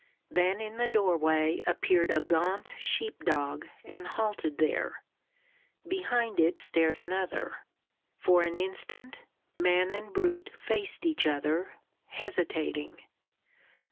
Then in the doorway appeared a gaunt sheep dog, and halted there. Behind it stared another. For an instant man and brute faced each other, hesitating.